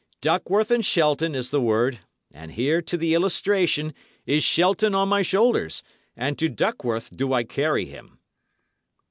'Duckworth and Shelton' is the word; and here, to the illustration, is Shelton on my shoulders, and to Duckworth do I carry him."